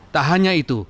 tak hanya itu